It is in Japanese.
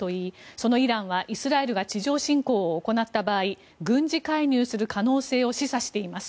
そのイランはイスラエルが地上侵攻を行った場合軍事介入する可能性を示唆しています。